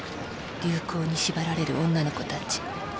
流行に縛られる女の子たち。